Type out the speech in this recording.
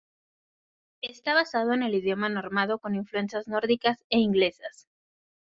Está basado en el idioma normando con influencias nórdicas e inglesas.